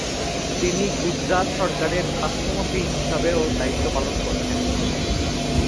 তিনি গুজরাত সরকারের স্বাস্থ্যমন্ত্রী হিসাবেও দায়িত্ব পালন করেছেন।